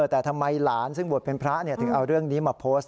แต่ทำไมหลานซึ่งบวชเป็นพระถึงเอาเรื่องนี้มาโพสต์